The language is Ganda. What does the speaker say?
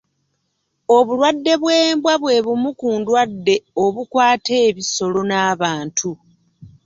Obulwadde bw'embwa bwe bumu ku ndwadde obukwata ebisolo n'abantu.